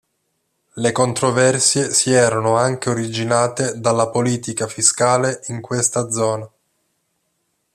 Le controversie si erano anche originate dalla politica fiscale in questa zona.